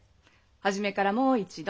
始めからもう一度。